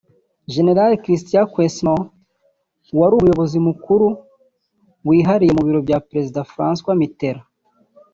Gen Christian Quesnot wari Umuyobozi Mukuru wihariye mu Biro bya Perezida Francois Mitterrand